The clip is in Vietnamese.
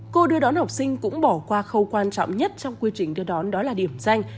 cô đưa đón học sinh cũng bỏ qua khâu quan trọng nhất trong quy trình đưa đón đó là điểm danh